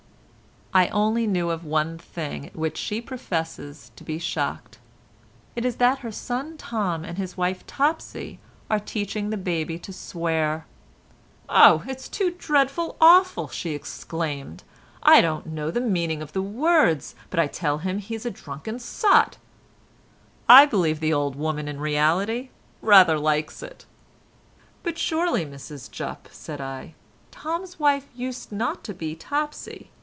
I only knew of one thing at which she professes to be shocked. It is that her son Tom and his wife Topsy are teaching the baby to swear. "Oh! it's too dreadful awful," she exclaimed, "I don't know the meaning of the words, but I tell him he's a drunken sot." I believe the old woman in reality rather likes it. "But surely, Mrs Jupp," said I, "Tom's wife used not to be Topsy.